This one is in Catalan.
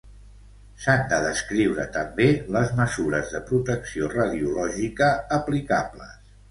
S'han de descriure també les mesures de protecció radiològica aplicables.